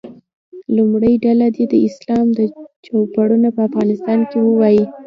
لومړۍ ډله دې د اسلام چوپړونه په افغانستان کې ووایي.